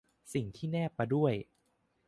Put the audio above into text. สิ่งที่แนบมาด้วย